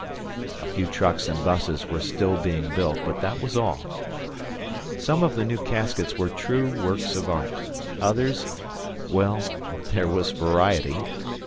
A few trucks and buses were still being built, but that was all. Some of the new caskets were true works of art. Others well, there was variety.